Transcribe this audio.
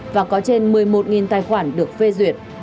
và có trên một mươi một tài khoản được phê duyệt